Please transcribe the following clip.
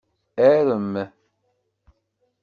Arem!